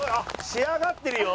仕上がってるよ。